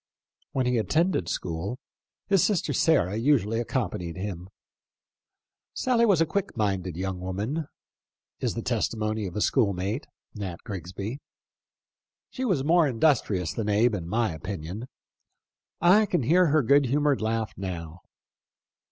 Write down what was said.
When he attended school, his sister Sarah usually accompanied him. " Sally was a quick minded young woman," is the testimony of a school mate. " She was more industrious than Abe, in my opinion. I can hear her good humored laugh now.